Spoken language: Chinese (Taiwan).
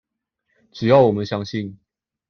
只要我們相信